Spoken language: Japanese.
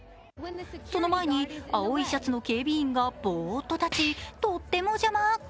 その前に青いシャツの警備員がぼーっと立ち、とっても邪魔。